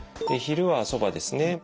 昼はそばですね。